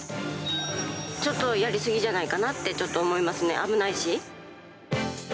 ちょっとやり過ぎじゃないかなって、ちょっと思いますね、危ないし。